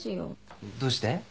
どうして？